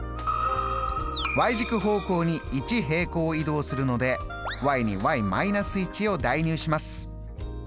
軸方向に１平行移動するのでに−１を代入します。